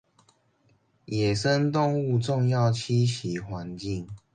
野生動物重要棲息環境